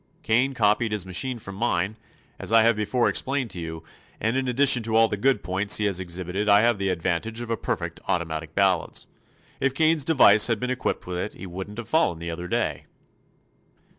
Kane copied his machine from mine, as I have before explained to you, and in addition to all the good points he has exhibited I have the advantage of a perfect automatic balance. If Kane's device had been equipped with it he wouldn't have fallen the other day."